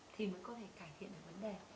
thì mới có thể cải thiện được vấn đề